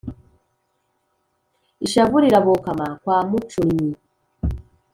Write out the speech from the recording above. ishavu rirabokama kwa mucunnyi,